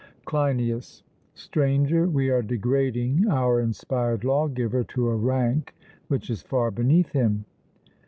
CLEINIAS: Stranger, we are degrading our inspired lawgiver to a rank which is far beneath him.